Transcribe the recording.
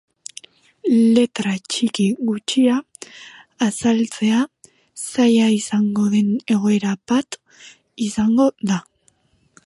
Letra txiki gutxia azaltzea zaila izango den egoera bat izango da.